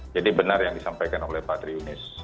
jadi benar yang disampaikan oleh pak tri yunis